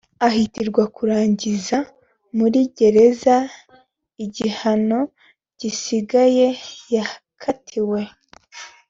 ahatirwa kurangiriza muri gereza igihano gisigaye yakatiwe